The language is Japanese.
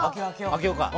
開けようか。